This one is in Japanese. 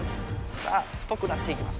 さあ太くなっていきます